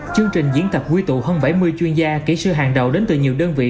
chương trình diễn tập quy tụ hơn bảy mươi chuyên gia kỹ sư hàng đầu đến từ nhiều đơn vị